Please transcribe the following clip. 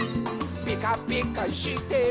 「ピカピカしてるよ」